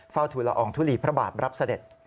ทุลอองทุลีพระบาทรับเสด็จ